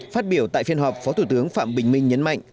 phát biểu tại phiên họp phó thủ tướng phạm bình minh nhấn mạnh